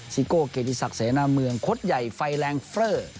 ซิโกะเกดีศักดิ์เสนามืองข้ดใหญ่ไฟแรงเฟลอร์